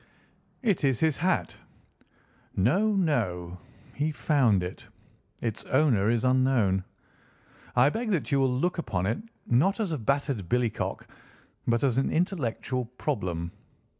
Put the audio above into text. "It is his hat." "No, no, he found it. Its owner is unknown. I beg that you will look upon it not as a battered billycock but as an intellectual problem.